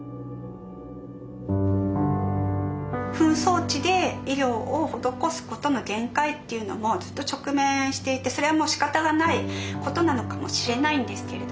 紛争地で医療を施すことの限界っていうのもずっと直面していてそれはもうしかたがないことなのかもしれないんですけれども。